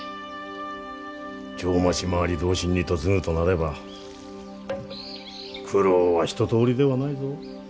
定町廻り同心に嫁ぐとなれば苦労は一とおりではないぞ。